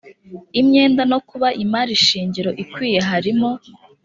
imyenda no kuba imari shingiro ikwiye harimo